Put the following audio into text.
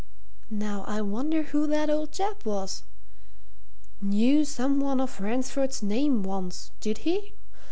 Now I wonder who that old chap was? Knew some one of Ransford's name once, did he?